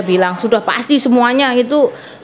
bilang sudah pasti semuanya itu